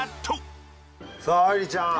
さあ愛梨ちゃん